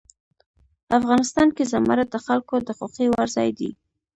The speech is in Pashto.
افغانستان کې زمرد د خلکو د خوښې وړ ځای دی.